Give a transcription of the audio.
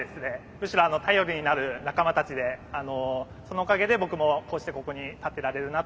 むしろ頼りになる仲間たちでそのおかげで僕もこうしてここに立ってられるなと。